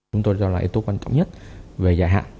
chúng tôi cho là yếu tố quan trọng nhất về giải hạn